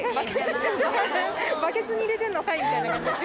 バケツに入れてんのかいみたいな。